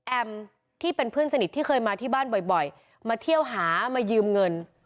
ที่เป็นเพื่อนสนิทที่เคยมาที่บ้านบ่อยมาเที่ยวหามายืมเงิน